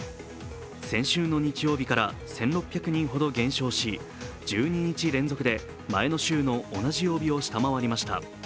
先週の日曜日から１６００人ほど減少し、１２日連続で前の週の同じ曜日を下回りました。